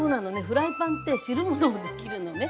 フライパンって汁物もできるのね。